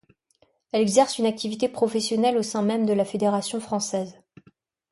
Elle exerce une activité professionnelle au sein même de la fédération française.